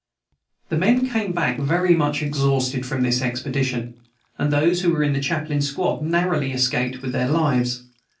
The men came back very much exhausted from this expedition, and those who were in the chaplain's squad narrowly escaped with their lives.